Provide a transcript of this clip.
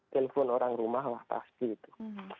telepon orang rumah lah pasti itu